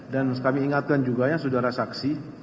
dan kami ingatkan juga ya saudara saksi